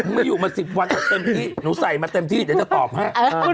เมื่ออยู่มา๑๐วันเต็มที่หนูใส่มาเต็มที่เดี๋ยวจะตอบให้